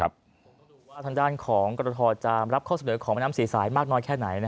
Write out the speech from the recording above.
บทดูทางด้านของกตทจะรับข้อเสด็จของมนศีสายมากน้อยแค่ไหน